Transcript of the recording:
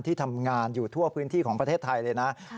ที่ทำงานอยู่ทั่วพื้นที่ของประเทศไทยเลยนะ